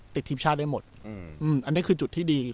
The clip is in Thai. ติดทีมชาติได้หมดอันนี้คือจุดที่ดี